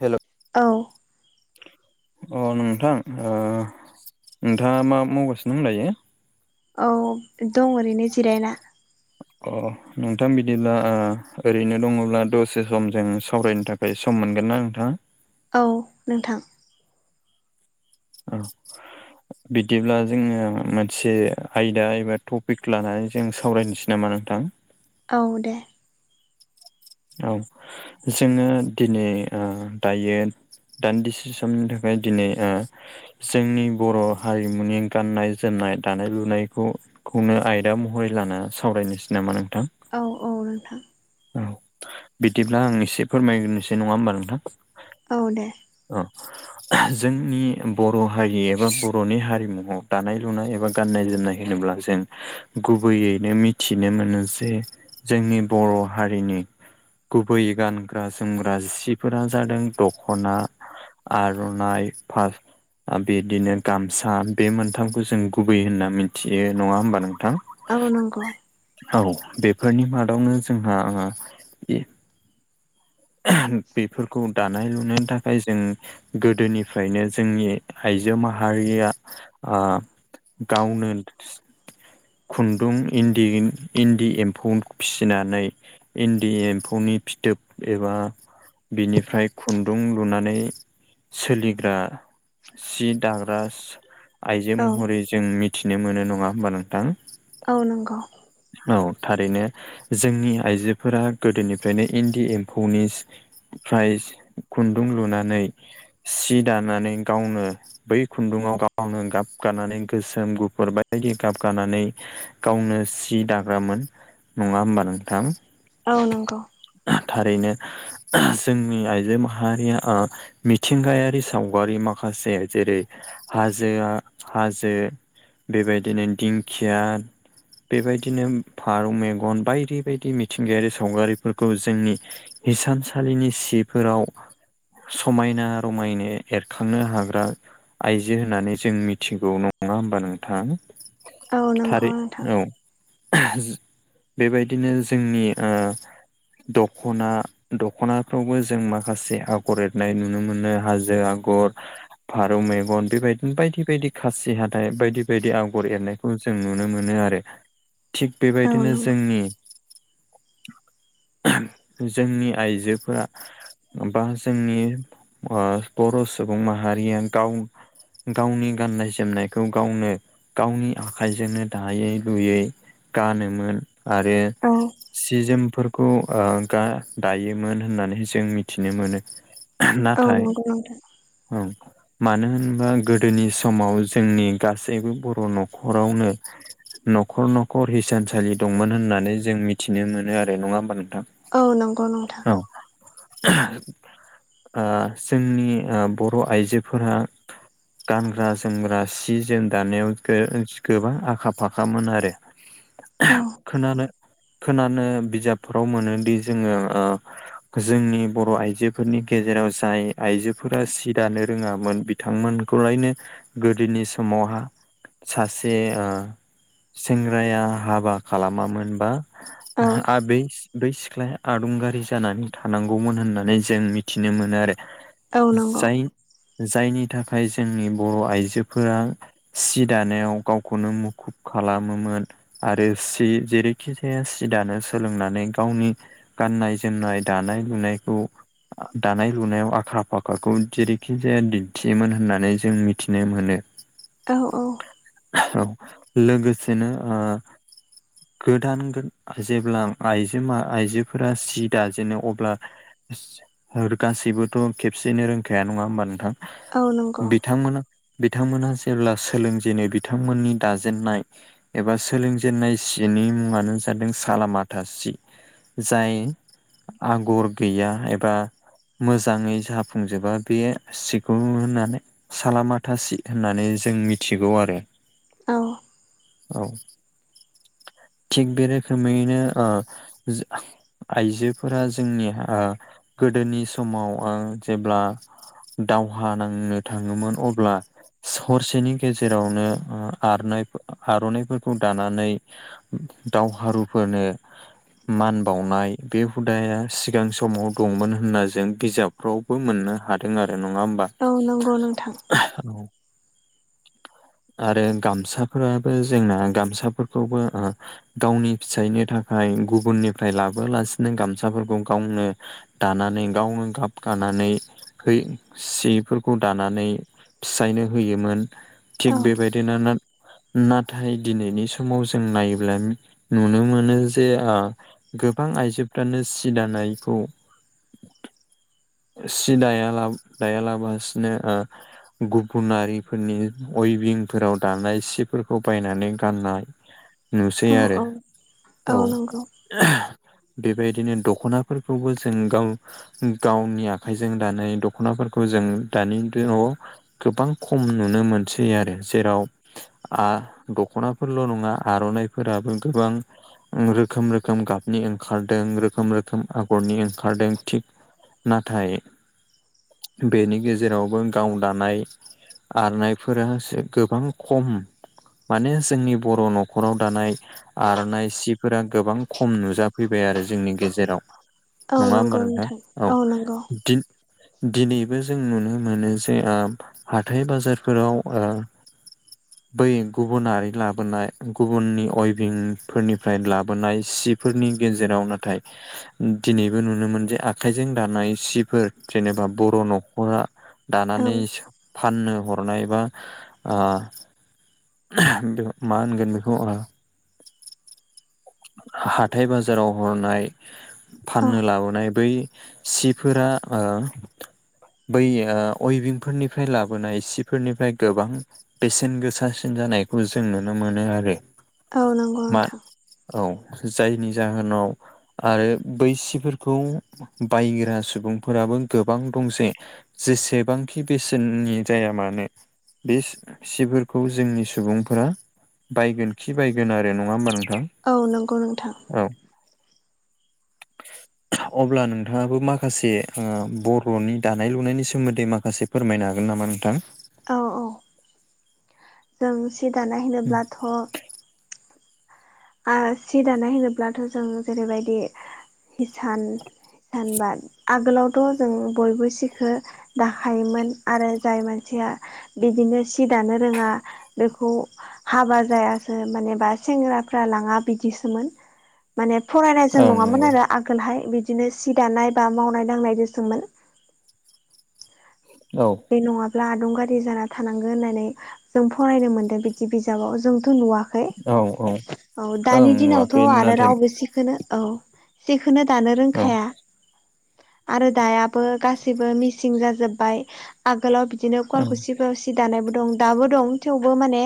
Hello औ अ नोंथां नोंथाङा मा मावगासिनो दं दायो औ दं ओरैनो जिरायना अ नोंथां बिदिब्ला ओरैनो दङब्ला दसे समजों सावरायनो थाखाय ओमफ्राय सम मोनगोन ना नोंथाङा औ नोंथां औ बिदिब्ला जोङो मोनसे आयदा एबा टपिक लानानै जों सावरायनोसै नामा नोंथां औ दे औ जोङो दिनै दायो दान्दिसे समनि थाखाय दिनै ओ जोंनि बर' हारिमुनि गाननाय जोमनाय दानाय लुनायखौ खौनो आयदा महरै लाना सावरायनोसै नामा नोंथां? औ औ नोंथां। औ बिदिब्ला आं एसे फोरमायग्रोसै। नङा होमबा नोंथां? औ दे। औ जोंनि बर' हारि एबा बर'नि हारिमुआव दानाय लुनाय एबा गाननाय जोमनाय होनोब्ला जों गुबैयैनो मिथिनो मोनो जे जोंनि बर' हारिनि गुबै गानग्रा जोमग्रा जिफोरा जादों दख'ना आर'नाय फास आ बिदिनो गामसा बे मोनथामखौ जों गुबै होनना मिनथियो। नङा होमबा नोंथां? आव नंगौ। औ बेफोरनि मादावनो जोंहा आ बेफोरखौ दा नाय लुनायनि थाखाय जों गोदोनिफ्रायनो जोंनि आइजो माहारिया आ गावनो खुन्दुं इन्दिन इन्दि एम्फौ फिसिनानै इन्डि एम्फौनि फिथोब एबा बिनिफ्राय खुन्दुं लुनानै सोलिग्रा सि दाग्रास आइजो औ महरै जों मिथिनो मोनो नङा होमबा नोंथां? औ नंगौ। औ थारैनो जोंनि आइजोफोरा गोदोनिफ्रायनो इन्दि एम्फौनिस फ्रायस खुन्दुं लुनानै सि दानानै गावनो बै खुन्दुङाव गावनो गाबगानानै गोसोम गुफुर बबायदि गाबगानानै गावनो सि दाग्रामोन। नङा होमबा नोंथां? औ नोंगौ। थारैनो जोंनि आइजो माहारिया आ मिथिंगायारि सावगारि माखासे जेरै हाजोआ हाजो बेबायदिनो दिंखिया बेबायदिनो फारौ मेगन बायदि बायदि मिथिंगायारि सावगारिफोरखौ जोंनि हिसानसालिनि सिफोराव समायना रमायनो एरखांनो हाग्रा आइजो होननानै जों मिथिगौ। नङा होमबा नोंथां? औ नंगौ थारै नोंथां। औ बेबायदिनो जोंनि ओ दख'ना दख'नाफ्रावबो जों माखासे आगर एरनाय नुनो मोनो। हाजो आग गर फारौ मेगन बेबायदिनो बायदि बायदि खासि हााइ बायदि बायदि आगर एरनाय खौ जों नुनो मोनो आरो। थिग औ बेबायदिनो नंगौ जोंनि जोंनि आइजोफोरा बा जोंनि आ बर' सुबुं माहारिया गाव गावनि गाननाय जोमनायखौ गावनो गावनि आखाइजोंनो दायै लुयै गानोमोन आरो औ सि जोमफोरखौ ओ गा दायोमोन होननानै जों मिथिनो मोनो। औ नाथाय नंगौ नोंथां ओं मानो होनबा गोदोनि समाव जोंनि गासैबो बर' न'खरावनो न'खर न'खर हिसानसालि दंमोन होननानै जों मिथिनो मोनो आरो। नङा होमबा नोंथां? औ नंगौ नोंथां। औ [unintelligible] आ जोंनि ओ बर' आइजोफोरा गानग्रा जोमग्रा सि जोम दानायाव गो गोबां आखा फाखामोन आरो। औ खोनादों खोनानो बिजाबफोराव मोनोदि जोङो जोंनि बर' आइजोफोरनि गेजेराव जाय आइजोफोरा सि दानो रोङामोन बिथांमोनखौलायनो गोदोनि समावहा सासे सेंग्राया हाबा खालामामोनबा औ आबै बै सिख्लाया आदुंगारि जानानै थानांगौमोन होननानै जों मिथिनो मोनो आरो औ नंगौ जाय जायनि थाखाय जोंनि बर' आइजोफोरा सि दानायाव गावखौनो मुखुब खालामोमोन आरो सि जेरैखि जाया सि दानो सोलोंनानै गावनि गाननाय जोमनाय दानाय लुनायखौ दानाय लुनायाव आख्रा फाखाखौ जेरैखि जाया दिन्थियोमोन होननानै जों मिथिनो मोनो [unintelligible] औ औ औ लोगोसेनो ओ गोदान जेब्ला आइजो आइजोफोरा सि दाजेनो अब्ला गासैबोथ' खेबसेयनो रोंखाया नङा होमबा नोंथां औ नंगौ बिथां बिथांमोना जेब्ला सोलोंजेनो बिथांमोननि दा जेननाय एबा सोलोंजेननाय सिनि मुङानो जादों सालामाथा सि जाय आगर गैया एबा मोजाङै जाफुंजोबा बेयो सिगु होननानै। सालामाथासि होननानै जों मिथिगौ आरो औ औ थिग बे रोखोमैनो आइजोफोरा जोंनि गोदोनि समाव जेब्ला दावहा नांनो थाङोमोन अब्ला सरसेनि गेजेरावनो आरनाय आर'नाइफोरखौ दानानै दावहारुफोरनो मान बावनाय बे हुदाया सिगां समाव दंमोन होनना जों बिजाब फावबो मोननो हादों आरो नङा होमबा औ नंगौ नोंथां। आरो गामसाफोराबो जोंना गामसाफोरखौबो गावनि फिसाइनि थाखाय गुबुननिफ्राय लाबोलासिनो गामसाफोरखौ गावनो दानानै गावनो गाब गानानै बै सिफोरखौ दानानै फिसायनो होयोमोन औ थिग बेबायदिनो नाथाय दिनैनि समाव जों नायोब्ला नुनो मोनो जे गोबां आइजोफ्रानो सि दानायखौ सि दाया दायालाबासिनो ओ गुबुनारिफोरनि अइभिंफोराव दानाय सिफोरखौ बायनानै गाननाय नुसै औ आरो औ औ बेबायदिनो दख'नाफोरखौबो जों गाव गावनि आखाइजों दानाय दख'नाफोरखौ जों दानि न'आव गोबां खम नुनो मोनसै आरो जेराव दख'नाफोरल' नङा आर'नाइफोराबो गोबां। रोखोम रोखोम गाबनि ओंखारदों रोखोम रोखोम आगरनि ओंखारदों थिग। नाथाय बेनि गेजेरावबो गाव दानाय आरनायफोरा गोबां। खम माने जोंनि बर' न'खराव दानाय आर'नाइ सिफोरा गोबां खम नुजाफैबाय आरो जोंनि गेजेराव औ नङा होमबा नंगौ नोंथां औ नंगौ दिन दिनैबो जों नुनो मोनो जे हाथाय बाजारफोराव ओ बै गुबुनारि लाबोनाय गुबुननि अयभिंफोरनिफ्राय लाबोनाय सिफ फोरनि गेजेराव नाथाय दिनैबो नुनो मोन जे आखाइजों दानाय सिफोर जेनेबा बर' न'खरा औ दानानै फाननो हरनाय बा बि मा होनगोन बिहा हाथाय बाजाराव हरनाय औ फाननो लाबोनाय बै सिफोरा ओ बै अयबिंफोरनिफ्राय लाबोनाय सिफोरनिफ्राय गोबां बेसेन गोसासिन जानायखौ जों नुनो मोनो आरो औ नंगौ मा नोंथां औ जायनि जाहोनाव आरो बै सिफोरखौ बायग्रा सुबुंफोराबो गोबां दं जे जेसेबांखि बेसेननि जाया मानो। बे सिफोरखौ जोंनि सुबुंफोरा बायगोन खि बायगोन आरो नङा होमबा नोंथां। औ नंगौ नोंथां। औ। अब्ला नोंथाङाबो माखासे बर'नि दानाय लुनायनि सोमोन्दै माखासे फोरमायनो हागोन नामा नोंथां औ औ जों सि दानाय होनोब्लाथ' ओ सि दानाय होनोब्लाथ' जों जेरैबायदि हिसान सानबा आगोलावथ' जों बयबो सिखो दाखायोमोन आरो जाय मानसिया बिदिनो सि दानो रोङा बेखौ हाबा जायासो मानेबा सेंग्रा रा लाङा बिदिसोमोन माने फरायनाय जों ओं नङामोन नंगौ आरो आगोलहाय बिदिनो सि दानाय बा मावनाय दांनाय दसोमोन औ बे नङाब्ला आदुंगारि जाना थानांगोन होननानै जों फरायनो मोन्दों बिदि बिजाबाव जोंथ' नुवा औ औ औ ओं दानि दिनावथ' नुवाखै आरो नाथाय रावबो सि बेखौनो औ जेखौनो दानो ओं रोंखाया आरो दायाबो गासैबो मिसिं जाजोब्बाय आगोलाव बिदिनो ओं खुवालखुसि सि दानायबो दं दाबो दं थेवबो माने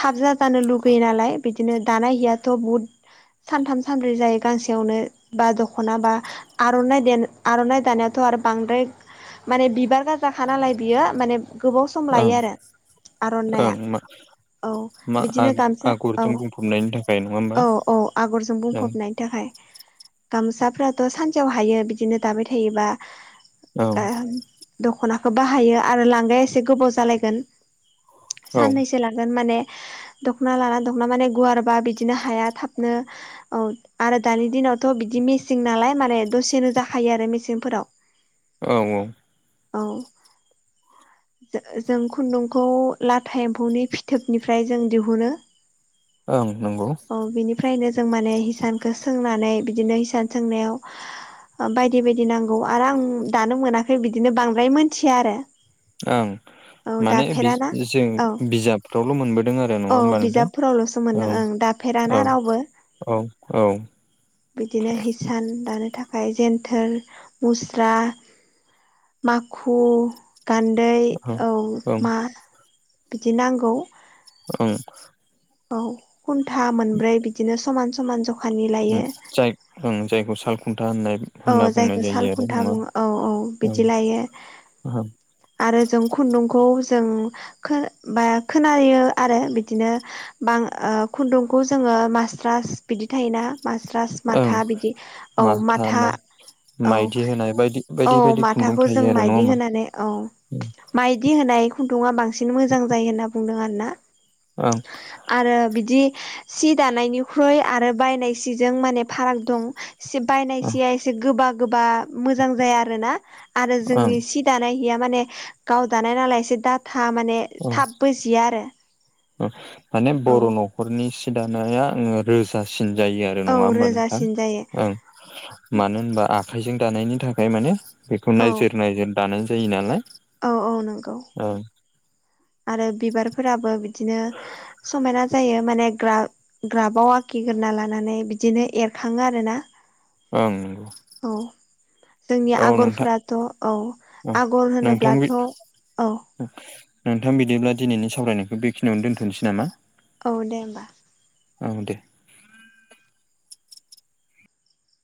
थाब जाजानो लुगैयो नालाय बिदिनो दानाय हियाथ' बुहुद सानथाम सानब्रै जायो गांसेयावनो बा दख'ना बा आर'नाइ आर'नाइ दानायावाथ' आरो बांद्राय माने बिबार ग जाखा नालाय बियो माने गोबाव सम ओं लायो आरो आर'नाइया ओं हा औ बिदिनो गामसा बुंफबनायनि थाखाय नङा होमबा औ औ औ आगरजों ओं बुंफबनाय बिनि थाखाय गामसाफ्राथ' सानसेयाव हायो बिदिनो दाबाय थायोबा ओं दख'नाखौ बाहायो आरो लांगाया एसे गोबाव जालायगोन औ साननैसो लागोन माने दख'ना लानानानै दख'ना माने गुवार बा बिदिनो हाया थाबनो औ आरो दानि दिनावथ' बिदि मेसें नालाय माने दसेनो जाखायो आरो मेसेंफोराव औ औ औ जों खुन्दुंखौ लाथा एम्फौनि फिथोबनिफ्राय जों दिहुनो ओं नंगौ औ बिनिफ्रायनो जों माने हिसानखौ सोंनानै बिदिनो हिसान सोंनायाव बायदि बायदि नांगौ आरो आं दानो मोनाखै बिदिनो बांद्राय मोनथिया आरो। ओं। औ माने दाफेराना जों औ बिजाबफ्रावल' मोनबोदों आरो नङा होमबा नोंथां औ। फेराना औ रावबो औ औ। बिदिनो हिसान दानो थाखाय जेन्थोर मुस्रा माखु गान्दै औ ओं मा बिदि नांगौ। औं। औ खुन्था मोनब्रै बिदिनो समान समान ज जाय जायखौ साल खुन्था होननाय। औ होनना बुंनाय जायखौ साल जायो आरो खुन्था नङा बुङो औ औ ओं बिदि लायो। ओं आरो जों खुन्दुंखौ जों बा खोनायो आरो बिदिनो। बां खुन्दुंखौ जोङो मासट्रास बिदि थायोना। मास्रास माथा बिदि औ मा मायदि होनाय बायदि औ बायदि बायदि खुन्दुं माथाखौ जों थायो आरो नङा माइदि हा होनानै औ औ। माइदि होनाय खुन्दुङा बांसिन मोजां जायो होनना बुंदों आरो ना? ओं। आरो बिदि सि दानायनिख्रुइ आरो बायनाय सिजों माने फाराग दं बायनाय। ओं सिया एसे गोबा गोबा मोजां जाया आरो ना आरो जोंनि दानायहैया माने गाव दानाय नालाय एसे दाथ माने थाबबो जिया आरो औ माने औ बर' न'खरनि सि दानाया आङो। रोजासिन जायो आरो औ नङा होमबा नोंथां रोजासिन जायो ओ मानो होनबा आखाइजों दानायनि थाखाय माने बेखौ औ नायजोर नायजि दानाय जायो नालाय। औ औ नंगौ ओं आरो बिबारफोराबो बिदिनो। समायना जायो माने ग्रा ग्राबाव आखिग्रोना लानानै बिदिनो एरखाङो आरो ना। ओं नंगौ जोंनि औ नोंथां आगरफोराथ' औ ओं आगर नोंथां होनोब्लाथ' औ नोंथां बिदिब्ला दिनैनि सावरायनायखौ बेखिनियावनो दोनथ'नोसै नामा? औ दे होमबा। औ दे।